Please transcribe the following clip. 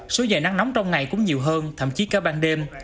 số giờ nắng nóng trong ngày cũng nhiều hơn thậm chí cả ban đêm